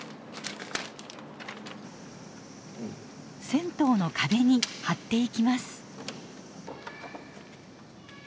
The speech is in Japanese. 銭湯の壁に貼っていきます。